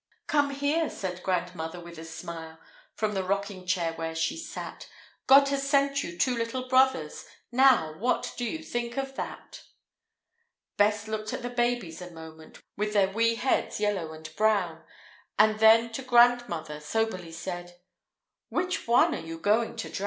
"Come here," said grandmother, with a smile, From the rocking chair where she sat; "God has sent you two little brothers; Now what do you think of that?" Bess looked at the babies a moment, With their wee heads, yellow and brown, And then to grandmother soberly said, "Which one are you going to drown?"